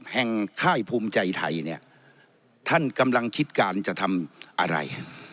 ค่ายภูมิใจไทยเนี่ยท่านกำลังคิดการจะทำอะไร